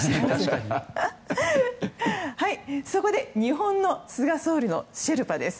そこで日本の菅総理のシェルパです。